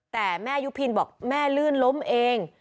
แต่แม่ยุพินบอกแม่ลื่นล้มเอง